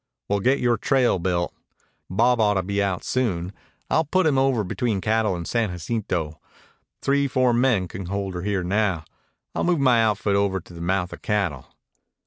"Well, get yore trail built. Bob oughtta be out soon. I'll put him over between Cattle and San Jacinto. Three four men can hold her here now. I'll move my outfit over to the mouth of Cattle."